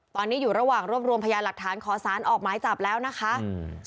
ตอนนี้อยู่ระหว่างรวบรวมพยานหลักฐานขอสารออกหมายจับแล้วนะคะอืม